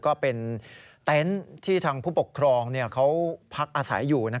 ก็เป็นเต็นต์ที่ทางผู้ปกครองเขาพักอาศัยอยู่